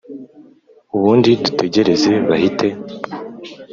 ubundi dutegereze bahite"